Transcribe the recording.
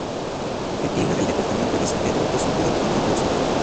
El clima del departamento de San Pedro es húmedo y lluvioso.